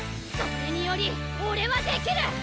それにより俺はデキる！